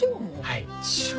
はい。